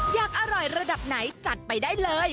อยากอร่อยระดับไหนจัดไปได้เลย